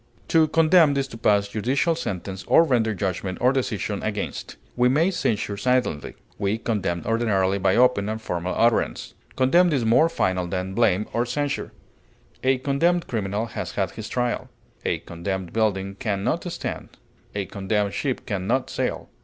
To condemn is to pass judicial sentence or render judgment or decision against. We may censure silently; we condemn ordinarily by open and formal utterance. Condemn is more final than blame or censure; a condemned criminal has had his trial; a condemned building can not stand; a condemned ship can not sail.